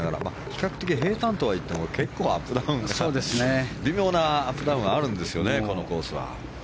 比較的平坦とはいっても微妙なアップダウンがあるんですよね、このコースは。